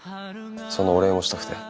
そのお礼をしたくて。